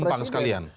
atau menumpang sekalian